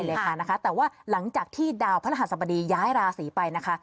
เลยค่ะนะคะแต่ว่าหลังจากที่ดาวพระรหัสบดีย้ายราศีไปนะคะ